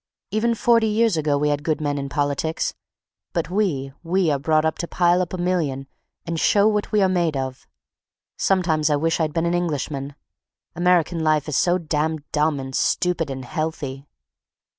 Even forty years ago we had good men in politics, but we, we are brought up to pile up a million and "show what we are made of." Sometimes I wish I'd been an Englishman; American life is so damned dumb and stupid and healthy.